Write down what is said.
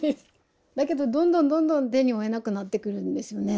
だけどどんどんどんどん手に負えなくなってくるんですよね